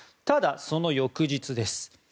ただその翌日です。